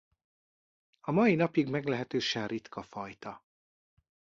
A mai napig meglehetősen ritka fajta.